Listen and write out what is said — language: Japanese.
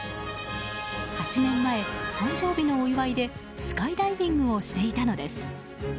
８年前、誕生日のお祝いでスカイダイビングをしていたのです。